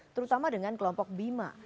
terutama dengan kelompok bima